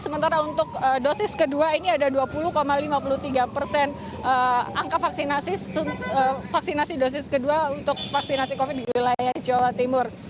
sementara untuk dosis kedua ini ada dua puluh lima puluh tiga persen angka vaksinasi dosis kedua untuk vaksinasi covid di wilayah jawa timur